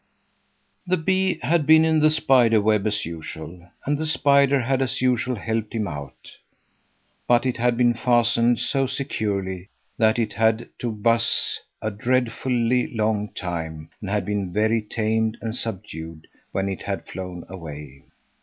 The bee had been in the spider web as usual, and the spider had as usual helped him out; but it had been fastened so securely that it had had to buzz a dreadfully long time and had been very tamed and subdued when it had flown away.